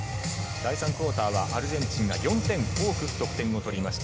第３クオーターはアルゼンチンが４点多く得点を取りました。